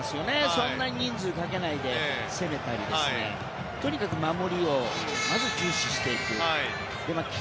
そんなに人数をかけないで攻めたりとにかく守りをまず重視していく。